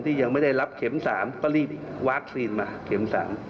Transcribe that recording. ยังไม่ได้รับเข็ม๓ก็รีบวัคซีนมาเข็ม๓